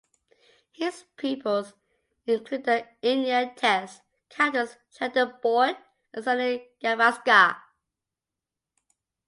His pupils included the India Test captains Chandu Borde and Sunil Gavaskar.